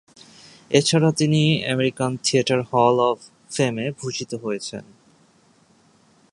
এছাড়া তিনি American theatre hall of ফেমে ভূষিত হয়েছেন।